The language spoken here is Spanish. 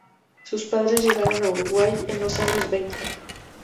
Sus padres llegaron a Uruguay en los años veinte.